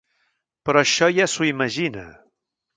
Però això ja s'ho imagina.